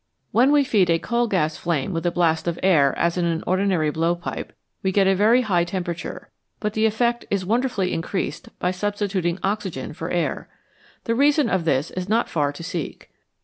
When we feed a coal gas flame with a blast of air as in an ordinary blowpipe, we get a very high temperature, but the effect is wonder fully increased by substituting oxygen for air. The reason of this is not far to seek.